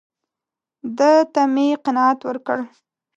ده ته مې قناعت ورکړ.